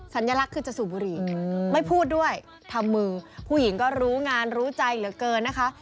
สัญลักษณ์คือจะสูบบุหรี่ไม่พูดด้วยทำมือผู้หญิงก็รู้งานรู้ใจเหลือเกินนะคะ